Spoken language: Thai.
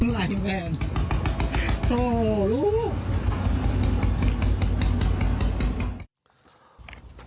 หัวใจแมน